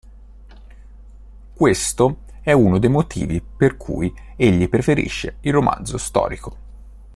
Questo è uno dei motivi per cui egli preferisce il romanzo storico.